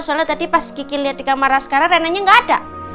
soalnya tadi pas kiki liat di kamar asgara renanya gak ada